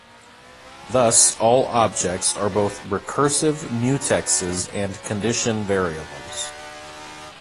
Thus all Objects are both recursive mutexes and condition variables.